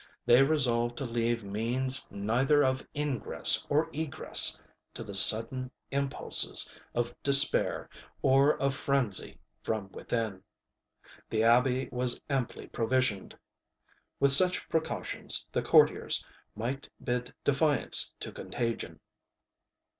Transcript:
They resolved to leave means neither of ingress or egress to the sudden impulses of despair or of frenzy from within. The abbey was amply provisioned. With such precautions the courtiers might bid defiance to contagion.